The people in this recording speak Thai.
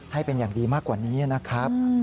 ให้เป็นอย่างดีมากกว่านี้นะครับ